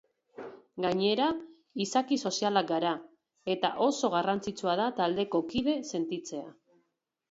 Gainera, izaki sozialak gara, eta oso garrantzitsua da taldeko kide sentitzea.